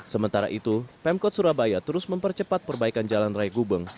sementara itu pemkot surabaya terus mempercepat perbaikan jalan raya gubeng